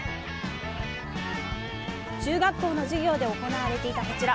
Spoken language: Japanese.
中学校の授業で行われていたこちら。